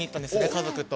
家族と。